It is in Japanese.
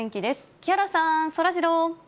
木原さん、そらジロー。